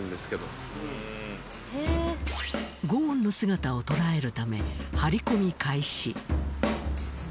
ゴーンの姿を捉えるため張り込み開始。